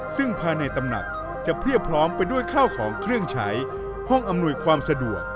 ซึ่งภายในตำหนักจะเพรียบพร้อมไปด้วยข้าวของเครื่องใช้ห้องอำนวยความสะดวก